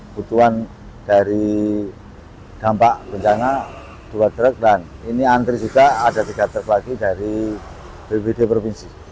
butuhan dari dampak bencana dua truk dan ini antri juga ada tiga truk lagi dari bpbd provinsi